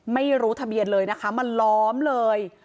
ไม่รู้ทะเบียนเลยนะคะมาล้อมเลย